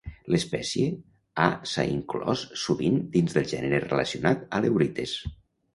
L'espècie ha s'ha inclòs sovint dins del gènere relacionat "Aleurites".